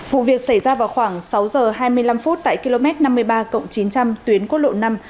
vụ việc xảy ra vào khoảng sáu giờ hai mươi năm phút tại km năm mươi ba chín trăm linh tuyến quốc lộ năm